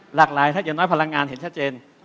หลากหลายถ้าอย่างน้อยพลังงานเห็นชัดเจน